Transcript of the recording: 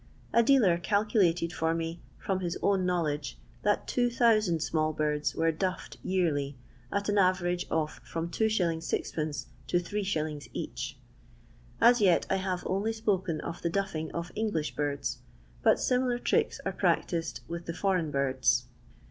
A dealer calculated for me, from his own know ledge, that 2000 small birds were " duflfed" yearly, at an average of from 2s. 6{/. to Zs, each. As yet I have only spoken of the " duffing" of English birds, but similar tricks are practised with the foreign birds.